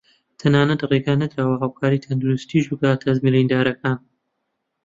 تەناتە رێگە نەدراوە هاوکاری تەندروستیش بگاتە بریندارەکان